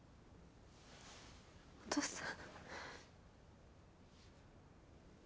お父さん。